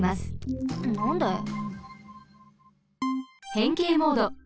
へんけいモード。